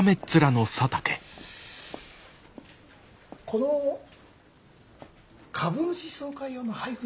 この株主総会用の配付